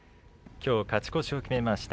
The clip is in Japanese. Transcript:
きょう勝ち越しを決めました